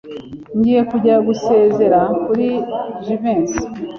Ngiye kujya gusezera kuri Jivency.